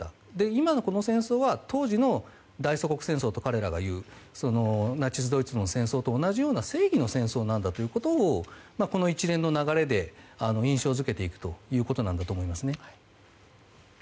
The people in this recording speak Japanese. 今この戦争は当時の大祖国戦争と彼らが言うナチスドイツの戦争と同じような正義の戦争なんだということをこの一連の流れで印象付けていくということなんだと思います。